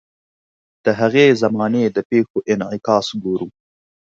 د هغې زمانې د پیښو انعکاس ګورو.